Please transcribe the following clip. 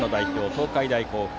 東海大甲府。